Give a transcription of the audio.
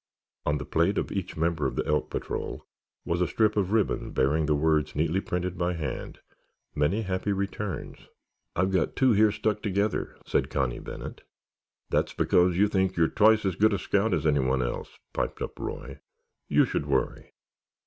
On the plate of each member of the Elk Patrol was a strip of ribbon bearing the words neatly printed by hand "Many Happy Returns." "I've got two here stuck together," said Connie Bennet. "That's because you think you're twice as good a scout as anyone else," piped up Roy. "You should worry."